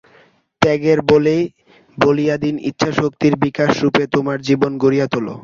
ত্যাগের বলে বলীয়ান ইচ্ছাশক্তির বিকাশরূপে তোমার জীবন গড়িয়া তোল।